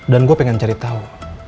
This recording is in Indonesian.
dan gue pengen cari tau